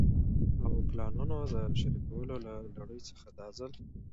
او پلانونو د شريکولو له لړۍ څخه دا ځل